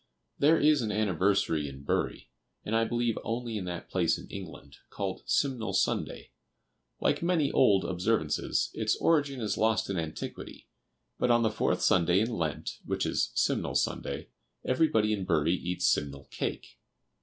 There is an anniversary in Bury, and I believe only in that place in England, called "Simnel Sunday." Like many old observances, its origin is lost in antiquity; but on the fourth Sunday in Lent, which is Simnel Sunday, everybody in Bury eats Simnel cake.